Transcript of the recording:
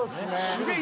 すげえ